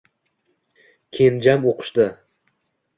Kenjam o`qishda